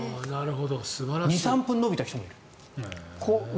２３分伸びた人もいる。